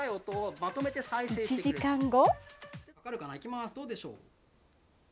１時間後。